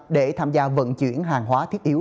để tham gia vận chuyển hàng hóa thiết yếu